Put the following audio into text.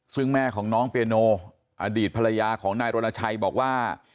ซึ่งแม่ของน้องเปียโนอดีตภรรยาของนายรณชัยบอกว่า